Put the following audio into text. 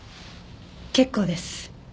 結構です。